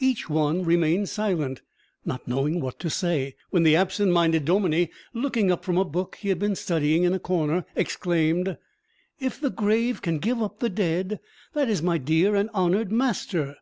Each one remained silent, not knowing what to say, when the absent minded dominie, looking up from a book he had been studying in a corner, exclaimed: "If the grave can give up the dead, that is my dear and honoured master!"